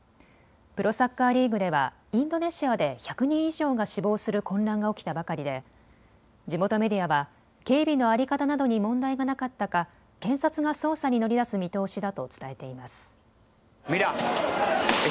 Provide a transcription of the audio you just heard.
プロサッカーリーグではインドネシアで１００人以上が死亡する混乱が起きたばかりで地元メディアは警備の在り方などに問題がなかったか検察が捜査に乗り出す見通しだと伝えています。